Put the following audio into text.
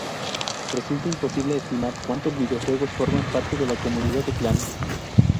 Resulta imposible estimar cuantos videojuegos forman parte de la comunidad de clanes.